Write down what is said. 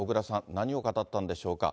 何を語ったんでしょうか。